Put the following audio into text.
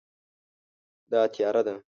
دا تیاره ده